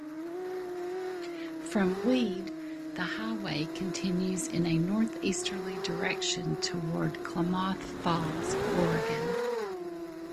From Weed, the highway continues in a northeasterly direction toward Klamath Falls, Oregon.